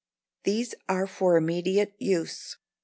These are for immediate use.